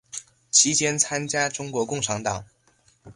期间参加中国共产党。